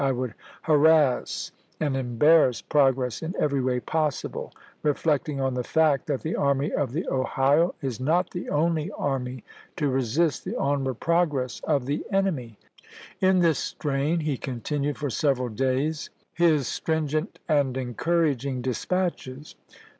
I would harass and embarrass progi ess in every way possible, reflecting on the fact that the Army of the Ohio is not the ibid., p. 475. 174 ABEAHAM LINCOLN Chap. VI. Only army to resist the onward progi'ess of the enemy." In this strain he continued for several days his stringent and encouraging dispatches.